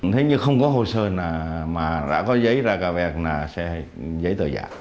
thế nhưng không có hồ sơ mà đã có giấy ra cà vẹt là giấy tờ giả